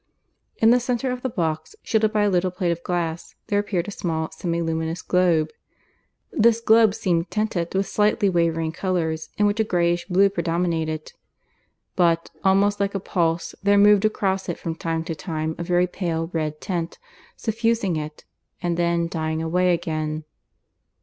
In the centre of the box, shielded by a little plate of glass, there appeared a small semi luminous globe. This globe seemed tinted with slightly wavering colours, in which a greyish blue predominated; but, almost like a pulse, there moved across it from time to time a very pale red tint, suffusing it, and then dying away again.